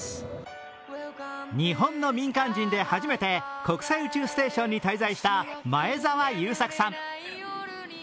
日本の民間人で初めて国際宇宙ステーションに滞在した前澤友作さん。